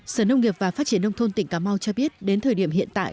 sở nông nghiệp và phát triển nông thôn tỉnh cà mau cho biết đến thời điểm hiện tại